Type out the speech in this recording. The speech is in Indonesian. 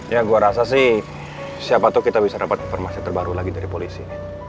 ya gue rasa sih siapa tuh kita bisa dapat informasi terbaru lagi dari polisi